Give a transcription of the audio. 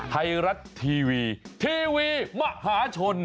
ไทยรัฐทีวีทีวีมหาชน